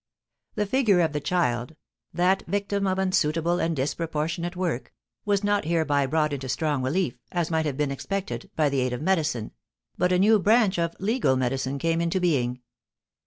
The figure of the child, that victim of unsuitable and disproportionate work, was not hereby brought into strong relief, as might have been expected, by the aid of medicine, but a new branch of "legal medicine" came into being.